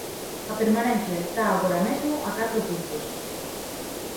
A permanencia está agora mesmo a catro puntos.